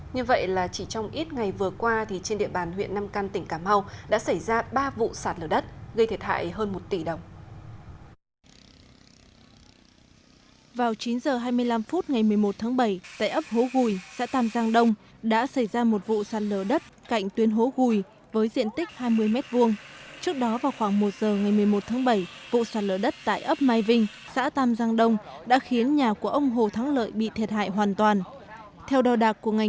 như vậy là chỉ trong ít ngày vừa qua thì trên địa bàn huyện nam căn tỉnh cà mau đã xảy ra ba vụ sạt lở đất gây thiệt hại hơn một tỷ đồng